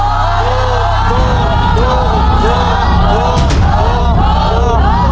คูก